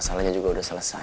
kalau dia dimana ya